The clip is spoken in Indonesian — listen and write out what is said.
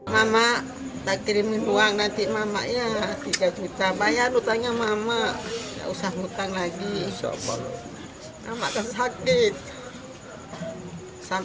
mamak tak kirimin uang nanti mamaknya